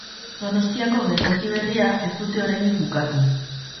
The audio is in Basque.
Donostiako geltoki berria ez dute oraindik bukatu.